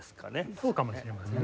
そうかもしれませんね。